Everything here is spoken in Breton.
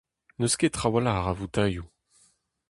N'eus ket trawalc'h a voutailhoù.